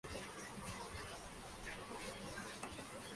Estos virus son filamentosos y muy flexibles, de donde procede el nombre.